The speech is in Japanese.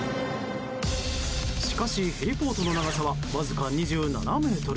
しかし、ヘリポートの長さはわずか２７ｍ。